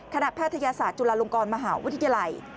แพทยศาสตร์จุฬาลงกรมหาวิทยาลัย